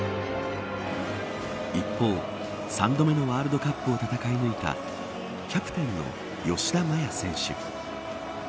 一方、３度目のワールドカップを戦い抜いたキャプテンの吉田麻也選手。